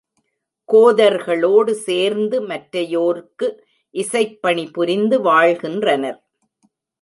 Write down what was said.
கோதர்களோடு சேர்ந்து மற்றையோர்க்கு இசைப்பணி புரிந்து வாழ்கின்றனர்.